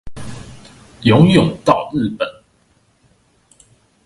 游泳到日本